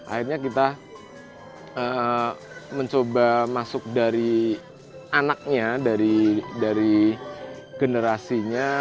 akhirnya kita mencoba masuk dari anaknya dari generasinya